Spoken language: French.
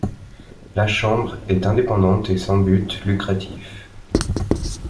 La Chambre est indépendante et sans but lucratif.